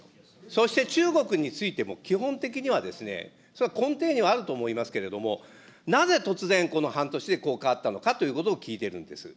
そして中国についても、基本的にはですね、それは根底にはあると思いますけれども、なぜ突然、この半年でこう変わったのかということを聞いているんです。